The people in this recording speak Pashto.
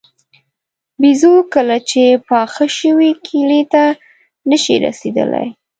بېزو کله چې پاخه شوي کیلې ته نه شي رسېدلی.